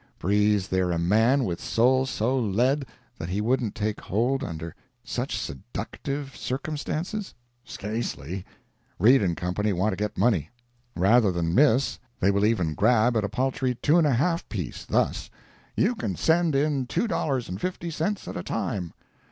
Breathes there a man with soul so lead that he wouldn't take hold under such seductive circumstances? Scasely. Read & Co. want to get money—rather than miss, they will even grab at a paltry two and a half piece thus: "You can send in $2.50 at a time."